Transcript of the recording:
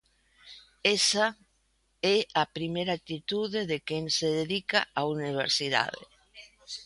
Esa é a primeira actitude de quen se dedica á universidade.